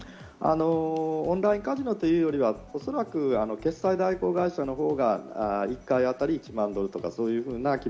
オンラインカジノというよりは、おそらく決済代行会社のほうが１回あたり１万ドルとか、そういうふうな決